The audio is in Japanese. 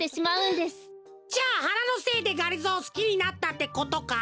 じゃあはなのせいでがりぞーをすきになったってことか？